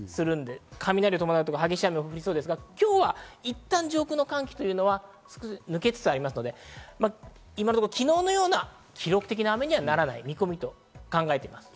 雷を伴って激しく降るところあるんですけれども、いったん上空の寒気が抜けつつありますので、今のところ昨日のような記録的な雨にはならない見込みと考えています。